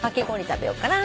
食べようかな。